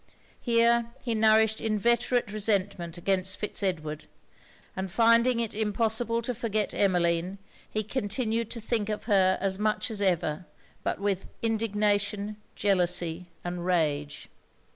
Here he nourished inveterate resentment against Fitz Edward: and finding it impossible to forget Emmeline, he continued to think of her as much as ever, but with indignation, jealousy and rage.